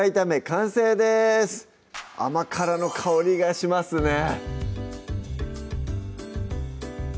完成です甘辛の香りがしますね